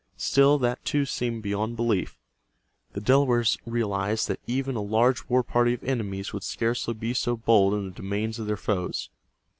Still, that too seemed beyond belief. The Delawares realized that even a large war party of enemies would scarcely be so bold in the domains of their foes.